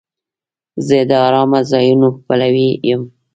زه د آرامه ځایونو پلوی یم.